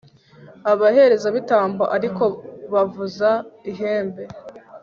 abaherezabitambo ari ko bavuza ihembe